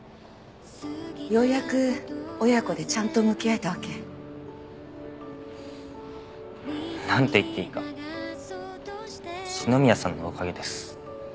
ようやく親子でちゃんと向き合えたわけ。なんて言っていいか篠宮さんのおかげです。